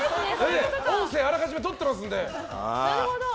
音声、あらかじめとってますんで。